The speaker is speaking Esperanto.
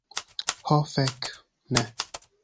Ho, fek, ne!